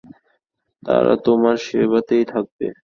তারা তোমার সেবাতেই থাকবে।